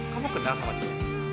kamu kenal sama dia